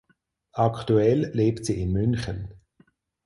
Aktuell lebt sie in München.